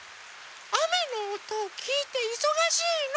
あめのおとをきいていそがしいの。